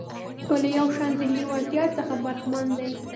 دوی له یو شان ذهني وړتیا څخه برخمن دي.